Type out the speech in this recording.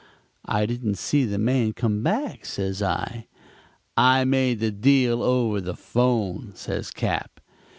"'I didn't see the man come back,' says I. "'I made the deal over the 'phone,' says Cap.